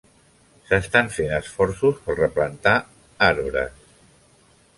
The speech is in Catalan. S'estan fent esforços per replantar arbres.